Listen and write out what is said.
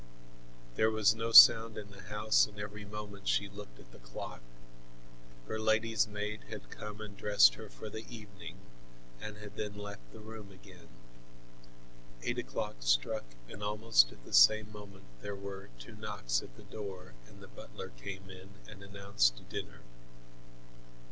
There was no sound in the house, and every moment she looked at the clock. Her lady's maid had come and dressed her for the evening and had then left the room again. Eight o'clock struck and almost at the same moment there were two knocks at the door, and the butler came in and announced dinner.